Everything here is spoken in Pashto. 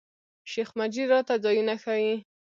شیخ مجید راته ځایونه ښیي.